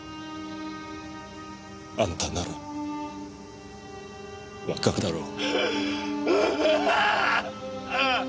あんたならわかるだろ？